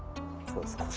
そうです